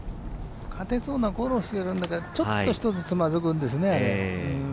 勝てそうなフォローしてるんですけど、ちょっと一つつまずくんですよね。